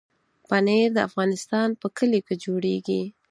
پنېر د افغانستان په کلیو کې جوړېږي.